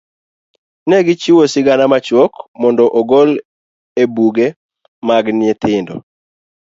Ne gichiwo sigana machuok mondo ogol e buge mag nyithindo.